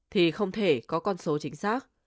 thì không thể có con số chính xác